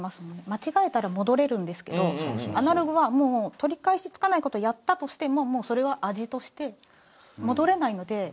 間違えたら戻れるんですけどアナログは取り返しつかない事やったとしてももうそれは味として。戻れないので。